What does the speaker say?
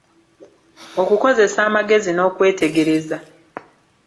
Okukozesa amagezi n'okwetegereza.